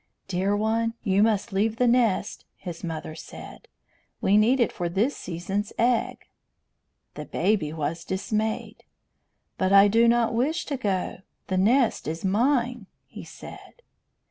"Dear one, you must leave the nest," his mother said. "We need it for this season's egg." The baby was dismayed. "But I do not wish to go! The nest is mine," he said.